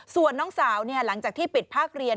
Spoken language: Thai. ส่วนน้องสาวเนี่ยหลังจากที่ปิดพักเรียน